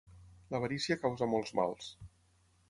L'avarícia causa molts mals.